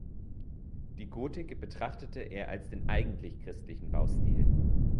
Die Gotik betrachtete er als den eigentlich christlichen Baustil.